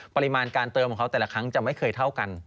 ปริมาณการเติมของเขาแต่ละครั้งจะไม่เคยเท่ากัน